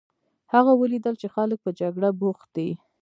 هغه ولیدل چې خلک په جګړه بوخت دي.